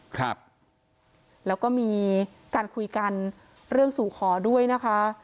ครับแล้วก็มีการคุยกันเรื่องสู่ขอด้วยนะคะ